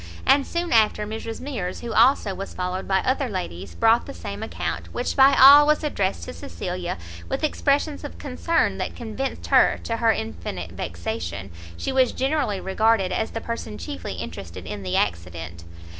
and soon after Mrs Mears, who also was followed by other ladies, brought the same account, which by all was addressed to Cecilia, with expressions of concern that convinced her, to her infinite vexation, she was generally regarded as the person chiefly interested in the accident.